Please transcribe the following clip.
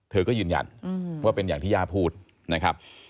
เธอก็ยืนยันว่าเป็นอย่างที่ย่าพูดนะครับ